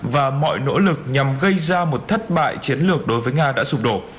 và mọi nỗ lực nhằm gây ra một thất bại chiến lược đối với nga đã sụp đổ